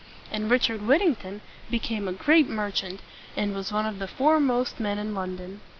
And Richard Whittington became a great merchant, and was one of the foremost men in London.